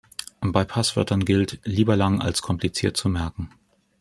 Bei Passwörtern gilt: Lieber lang als kompliziert zu merken.